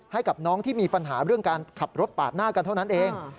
ให้กับน้องที่มีปัญหาเรื่องการขับรถปาดหน้ากันเท่านั้นเอง